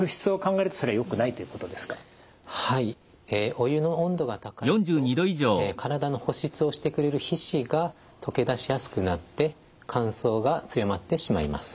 お湯の温度が高いと体の保湿をしてくれる皮脂が溶け出しやすくなって乾燥が強まってしまいます。